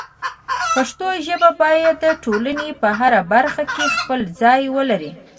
پښتو ژبه باید د ټولنې په هره برخه کې خپل ځای ولري.